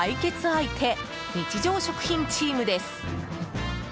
相手日常食品チームです。